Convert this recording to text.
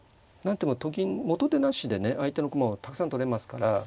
と金元手なしでね相手の駒をたくさん取れますから。